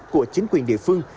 của chính quyền địa phương